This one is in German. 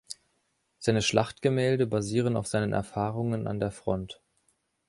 Seine Schlachtgemälde basieren auf seinen Erfahrungen an der Front.